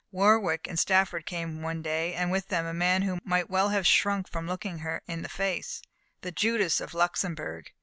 Warwick and Stafford came one day, and with them a man who might well have shrunk from looking her in the face the Judas of Luxembourg.